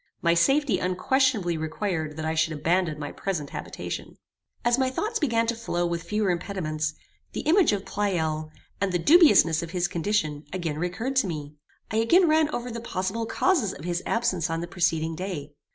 My safety unquestionably required that I should abandon my present habitation. As my thoughts began to flow with fewer impediments, the image of Pleyel, and the dubiousness of his condition, again recurred to me. I again ran over the possible causes of his absence on the preceding day.